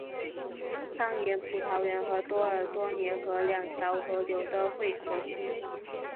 康廷葡萄园和多尔多涅河两条河流的汇合区。